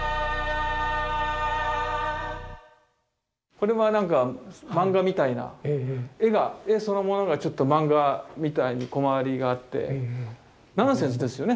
これは何かマンガみたいな絵そのものがマンガみたいにコマ割りがあってナンセンスですよね。